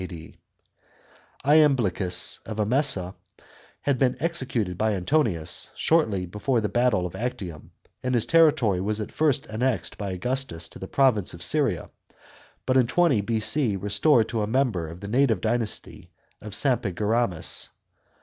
lamblicus of Emesa had been executed by Antonius shortly before the battle of Actium ; and his territory was at first annexed by Augustus to the province of Syria, but in 20 B.C. restored to a member of the native dynasty of Sampsi geramus.